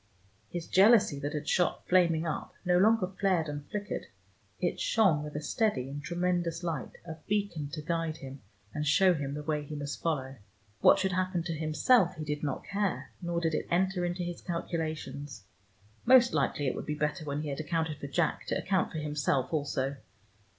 His jealousy that had shot flaming up, no longer flared and flickered: it shone with a steady and tremendous light, a beacon to guide him, and show him the way he must follow. What should happen to himself he did not care, nor did it enter into his calculations: most likely it would be better when he had accounted for Jack to account for himself also.